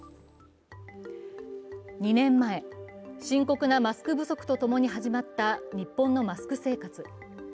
２年前、深刻なマスク不足と共に始まった日本のマスク生活。